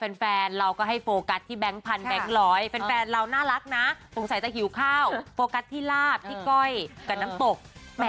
น้ำตกที่เป็นน้ำไหลลงมาจากข้างบน